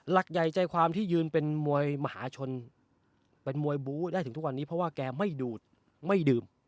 หลักใหญ่ใจความที่ยืนเป็นมวยมหาชนเป็นมวยบู้ได้ถึงทุกวันนี้เพราะว่าแกไม่ดูดไม่ดื่ม